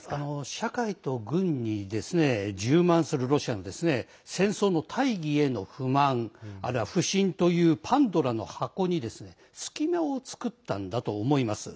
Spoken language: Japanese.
社会と軍に充満するロシアの戦争の大義への不満、あるいは不信というパンドラの箱に隙間を作ったんだと思います。